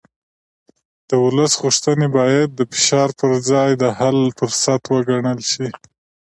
د ولس غوښتنې باید د فشار پر ځای د حل فرصت وګڼل شي